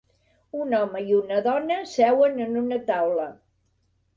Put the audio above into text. Un home i una dona seuen en una taula